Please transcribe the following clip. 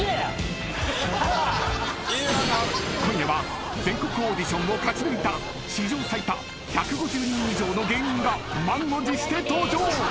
［今夜は全国オーディションを勝ち抜いた史上最多１５０人以上の芸人が満を持して登場！］